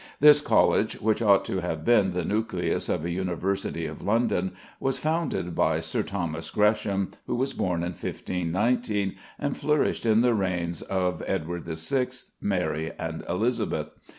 This College, which ought to have been the nucleus of a university of London, was founded by Sir Thomas Gresham, who was born in 1519, and flourished in the reigns of Edward VI., Mary, and Elizabeth.